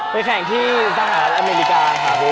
แข่งที่สหรัฐอเมริกาค่ะ